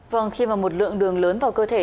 vâng khi mà một lượng đường lớn vào cơ thể